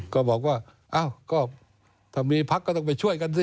ก็บอกว่าอ้าวก็ถ้ามีพักก็ต้องไปช่วยกันสิ